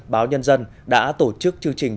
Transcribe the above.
báo nhân dân đã tổ chức chương trình